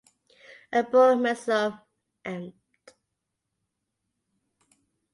Abul Mansur Md.